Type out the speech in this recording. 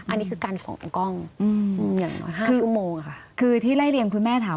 อันนี้คือการส่งกล้องอย่างน้อยห้าชั่วโมงคือที่ไล่เรียนคุณแม่ถาม